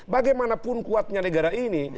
bagaimanapun kuatnya negara ini